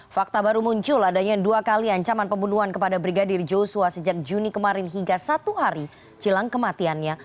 fakta baru muncul adanya dua kali ancaman pembunuhan kepada brigadir joshua sejak juni kemarin hingga satu hari jelang kematiannya